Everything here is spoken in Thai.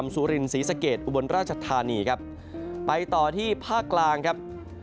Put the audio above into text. สุรินศรีสะเกดอุบลราชธานีครับไปต่อที่ภาคกลางครับ